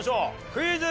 クイズ。